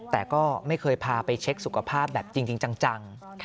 แต่ก็ไม่เคยพาไปเช็คสุขภาพแบบจริงจัง